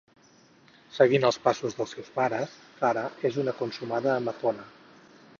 Seguint els passos dels seus pares, Zara és una consumada amazona.